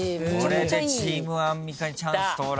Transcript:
これでチームアンミカにチャンス到来。